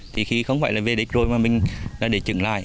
thì khi không phải là về đích rồi mà mình là để chứng lại